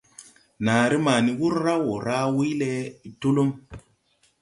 Naaré ma ni wur raw wo raa wuyle Tulum.